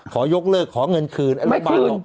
ขอยกเลิกขอเงินคืนไม่คืน